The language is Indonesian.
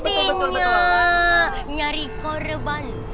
pentingnya nyari korban